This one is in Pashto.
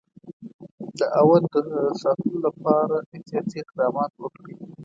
د اَوَد د ساتلو لپاره احتیاطي اقدامات وکړي.